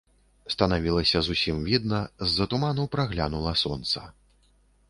Станавілася зусім відна, з-за туману праглянула сонца.